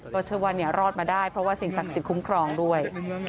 ก็เชื่อว่ารอดมาได้เพราะว่าสิ่งศักดิ์สิทธิคุ้มครองด้วย